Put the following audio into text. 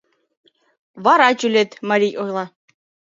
Вара тӱлет, — марий ойла.